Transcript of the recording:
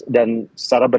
dan secara berat